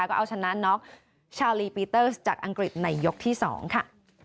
ก็เอาชนะน็อกชาลีปีเตอร์จากอังกฤษในยกที่๒ค่ะ